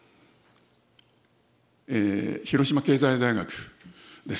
広島経済大学です。